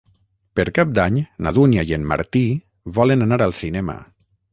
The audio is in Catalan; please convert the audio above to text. Per Cap d'Any na Dúnia i en Martí volen anar al cinema.